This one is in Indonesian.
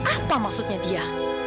apa maksudnya dia